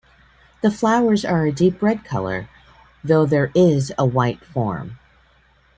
The flowers are a deep red colour, though there is a white form.